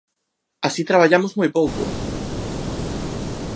Así traballamos moi pouco.